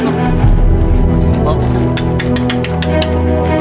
masih tepuk sih